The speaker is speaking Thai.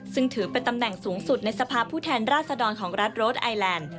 ซึ่งถือเป็นตำแหน่งสูงสุดในสภาพผู้แทนราชดรของรัฐโรดไอแลนด์